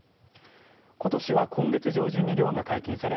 ことしは今月上旬に漁が解禁され